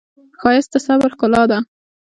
ښایست د صبر ښکلا ده